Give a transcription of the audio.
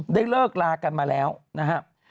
ได้เลิกลากันมาแล้วนะครับ